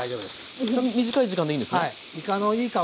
短い時間でいいんですね。